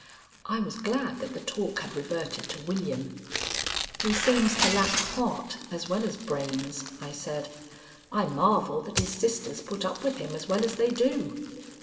I was glad that the talk had reverted to William. "He seems to lack heart, as well as brains," I said. "I marvel that his sisters put up with him as well as they do."